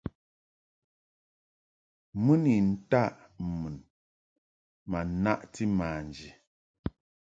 Mɨ ni ntaʼ mun ma naʼti a manji.